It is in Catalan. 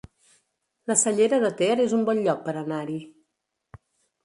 La Cellera de Ter es un bon lloc per anar-hi